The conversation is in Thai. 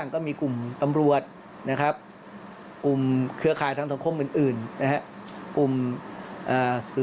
ก็จัดจุดให้เราไปดู